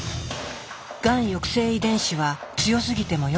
がん抑制遺伝子は強すぎてもよくない。